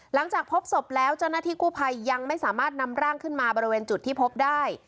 หลังจากพบศพแล้วเจ้าหน้าที่กู้ภัยยังไม่สามารถนำร่างขึ้นมาบริเวณจุดที่พบได้